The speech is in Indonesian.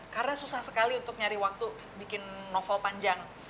karena susah sekali untuk nyari waktu bikin novel panjang